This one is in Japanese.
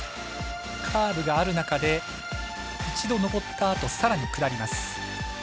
カーブがある中で一度上ったあとさらに下ります。